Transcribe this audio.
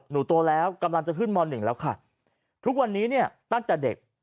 หนูโตแล้วกำลังจะขึ้นมหนึ่งแล้วค่ะทุกวันนี้เนี่ยตั้งแต่เด็ก